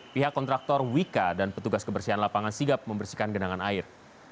pihak kontraktor wika dan petugas kebersihan lapangan sigap membersihkan genangan air